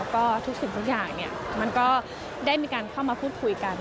ก็ทุกสิ่งทุกอย่างมันก็ได้มีการเข้ามาพูดคุยกัน